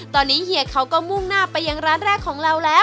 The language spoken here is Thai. ตอนนี้เฮียเขาก็มุ่งหน้าไปยังร้านแรกของเราแล้ว